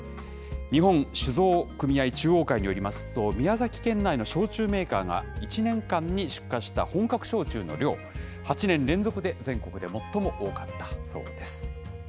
日本酒造組合中央会によりますと、宮崎県内の焼酎メーカーが、１年間に出荷した本格焼酎の量、８年連続で全国で最も多かったそうです。